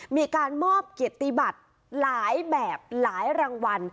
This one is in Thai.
มีการมอบเกียรติบัติหลายแบบหลายรางวัล